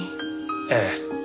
ええ。